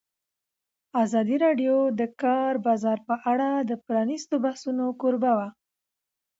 ازادي راډیو د د کار بازار په اړه د پرانیستو بحثونو کوربه وه.